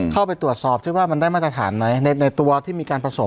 เข้าไปตรวจสอบที่ว่ามันได้มาตรฐานไหมในตัวที่มีการผสม